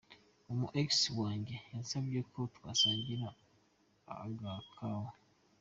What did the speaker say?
Umu-Ex wanjye yansabye ko twasangira agakawa.